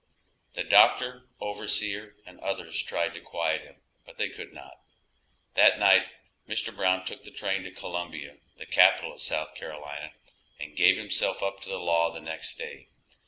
The doctor, overseer and others tried to quiet him, but they could not. That night Mr. Brown took the train to Columbia, the capital of South Carolina, and gave himself up to the law next day.